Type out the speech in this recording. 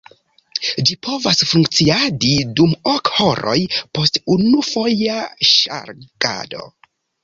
Ĝi povas funkciadi dum ok horoj post unufoja ŝargado.